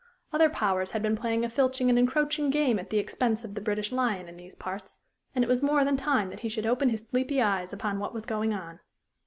Other powers had been playing a filching and encroaching game at the expense of the British lion in these parts, and it was more than time that he should open his sleepy eyes upon what was going on.